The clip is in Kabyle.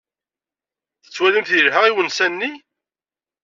Tettwalim-t yelha i unsa-nni?